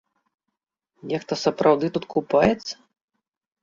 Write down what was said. Нехта сапраўды тут купаецца?